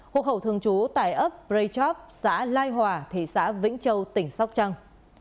hộp hậu thương chú tại ấp prey chop xã lai hòa thị xã vĩnh châu tỉnh sóc trăng